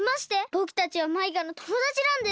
ぼくたちはマイカのともだちなんです！